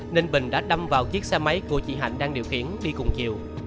nên bình đã đâm vào chiếc xe máy của chị hạnh đang điều khiển đi cùng chiều